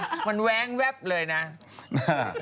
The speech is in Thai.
ที่บอกว่านางซื้อลดทัวร์หลายคันละมั้งตอนนี้เนอะ